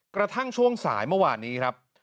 กระทั่งช่วงสายเมื่อวานี้ครับ